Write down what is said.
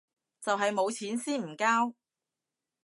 就係冇錢先唔交